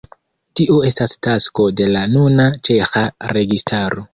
Tio estas tasko de la nuna ĉeĥa registaro.